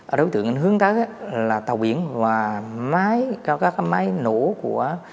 ở đối tượng anh hướng tới là tàu biển và máy các máy nổ của